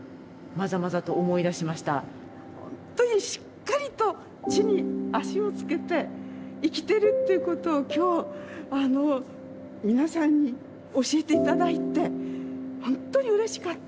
本当にしっかりと地に足を着けて生きてるっていうことを今日皆さんに教えて頂いて本当にうれしかった。